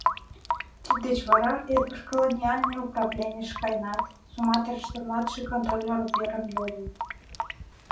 Тиддеч вара Эдвард Колониальный управненийыш каенат, Суматраште младший контролёр верым йодын.